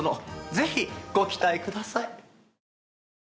ぜひご期待ください。